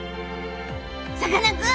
さかなクン